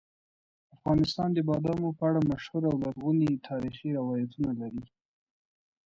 افغانستان د بادامو په اړه مشهور او لرغوني تاریخي روایتونه لري.